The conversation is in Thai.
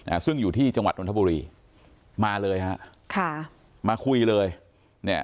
อ่าซึ่งอยู่ที่จังหวัดนทบุรีมาเลยฮะค่ะมาคุยเลยเนี่ย